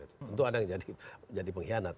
tentu ada yang menjadi pengkhianat